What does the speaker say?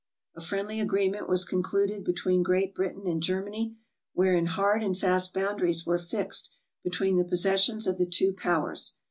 A friendly agreement was concluded between Great Britain and Germany wherein hard and fast boundaries were fixed between the possessions of the two powers.